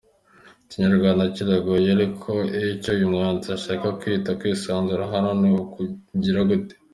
Ikinyarwanda kiragoye ariko icyo uyu mwanditsi ashaka kwita kwisanzura hano ni ukugira gute?